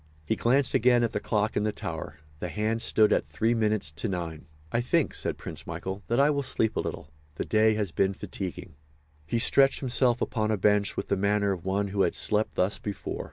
He glanced again at the clock in the tower. The hands stood at three minutes to nine. "I think," said Prince Michael, "that I will sleep a little. The day has been fatiguing." He stretched himself upon a bench with the manner of one who had slept thus before.